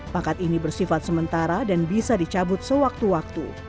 pangkat ini bersifat sementara dan bisa dicabut sewaktu waktu